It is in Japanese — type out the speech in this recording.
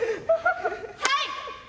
はい！